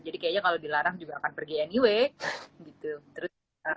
jadi kayaknya kalau dilarang juga akan pergi anyway gitu